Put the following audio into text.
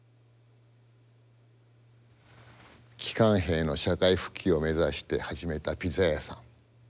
帰還兵の社会復帰を目指して始めたピザ屋さん。